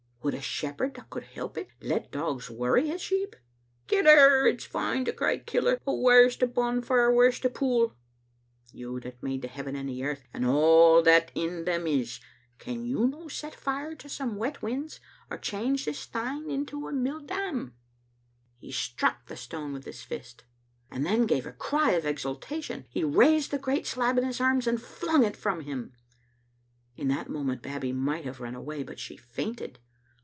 Would a shepherd, that could help it, let dogs worry his sheep? Kill her! It's fine to cry *Kill her,' but whaur's the bonfire, whaur's the pool? You that made the heaven and the earth and all that in them is, can You no set fire to some wet whins, or change this stane into a mill dam?" He struck the stone with his fist, and then gave a cry of exultation. He raised the great slab in his arms and flung it from him. In that moment Babbie might have run away, but she fainted.